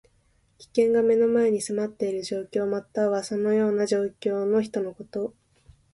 危険が目の前に迫っている状況。または、そのような状況の人のこと。